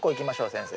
先生。